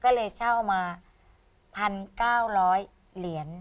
ก็เลยเช่ามา๑๙๐๐เหรียญ